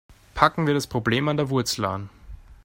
Packen wir das Problem an der Wurzel an.